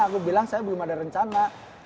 aku bilang saya belum ada rencana